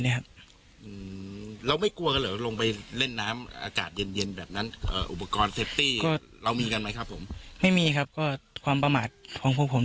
เจ้าอยู่ข้างบนครับตรงฝั่ง